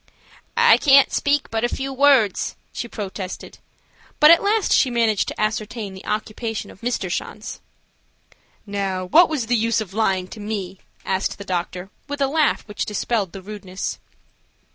"I can't speak but a few words," she protested, but at last she managed to ascertain the occupation of Mr. Schanz. "Now, what was the use of lying to me?" asked the doctor, with a laugh which dispelled the rudeness.